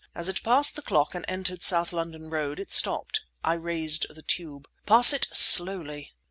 As it passed the clock and entered South London Road it stopped. I raised the tube. "Pass it slowly!"